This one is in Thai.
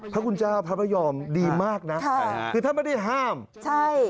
พระคุณเจ้าพระพยอมดีมากนะใช่ค่ะคือท่านไม่ได้ห้ามใช่